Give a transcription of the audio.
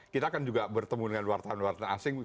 kita kan juga bertemu dengan wartawan warta asing